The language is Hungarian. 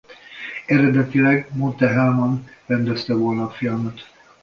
Eredetileg Monte Hellman rendezte volna a filmet.